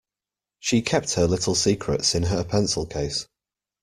She kept her little secrets in her pencil case.